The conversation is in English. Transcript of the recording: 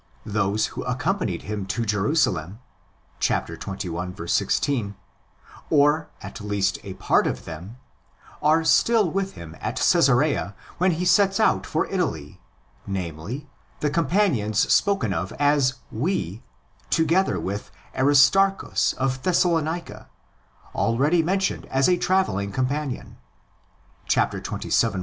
Those who accompanied him to Jerusalem (xxi. 16)—or, at least, a part of them—are still with him at Caesarea when he sets out for Italy—namely, the companions spoken of as '' we," together with Aristarchus of Thessalonica, already mentioned as a travelling companion (xxvil.